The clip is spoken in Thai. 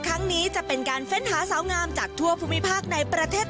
ครั้งนี้จะเป็นการเฟ้นหาสาวงามจากทั่วภูมิภาคในประเทศ